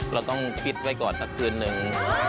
เราต้องคิดไว้ก่อนสักคืนนึง